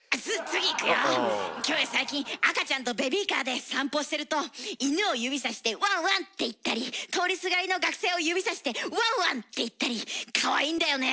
キョエ最近赤ちゃんとベビーカーで散歩してると犬を指さして「ワンワン」って言ったり通りすがりの学生を指さして「ワンワン」って言ったりかわいいんだよね。